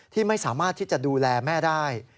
ที่ไม่สามารถที่จะดูแลแม่ได้